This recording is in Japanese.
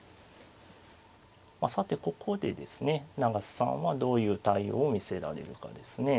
まあさてここでですね永瀬さんはどういう対応を見せられるかですね。